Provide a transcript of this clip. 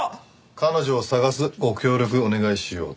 彼女を捜すご協力お願いしようと。